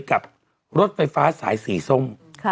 กับรถไฟฟ้าสายสีส้ม